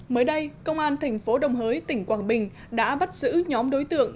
mới đây công an tp đồng hới tỉnh quảng bình đã bắt giữ nhóm đối tượng